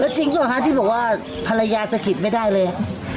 จริงเปล่าคะที่บอกว่าภรรยาสะกิดไม่ได้เลย